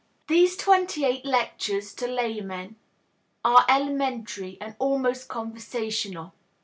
These twenty eight lectures to laymen are elementary and almost conversational.